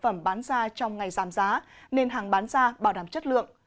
về số lượng chất lượng sản phẩm bán ra trong ngày giảm giá nên hàng bán ra bảo đảm chất lượng